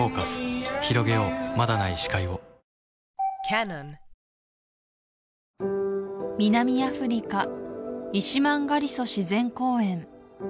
まだない視界を南アフリカイシマンガリソ自然公園